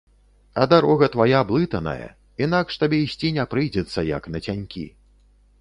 А дарога твая блытаная, інакш табе ісці не прыйдзецца, як нацянькі.